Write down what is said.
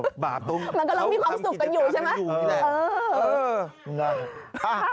เออบาปตรงนี้เราต้องขี่กันอยู่แหละมันกำลังมีความสุขกันอยู่ใช่ไหม